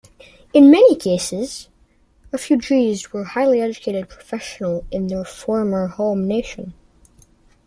In many cases, Refugees were highly educated professionals in their former home nation.